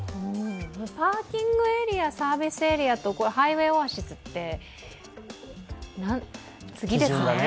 パーキングエリア、サービスエリアとハイウェイオアシスって次ですね